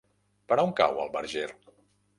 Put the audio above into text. Per on cau el Verger?